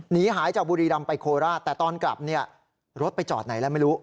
หนีหายจากบุรีรำไปโคราชแต่ตอนกลับเนี่ยรถไปจอดไหนแล้วไม่รู้